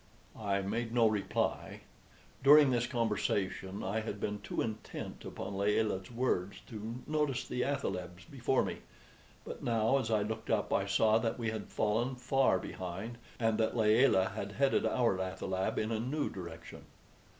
I made no reply. During this conversation I had been too intent upon Layelah's words to notice the athalebs before me; but now as I looked up I saw that we had fallen far behind, and that Layelah had headed our athaleb in a new direction.